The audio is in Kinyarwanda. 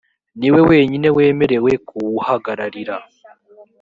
niwe wenyine wemerewe kuwuhagararira